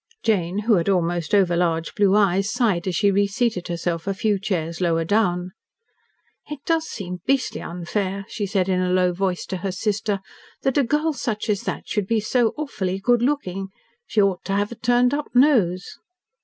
Jane, who had almost overlarge blue eyes, sighed as she reseated herself a few chairs lower down. "It does seem beastly unfair," she said in a low voice to her sister, "that a girl such as that should be so awfully good looking. She ought to have a turned up nose."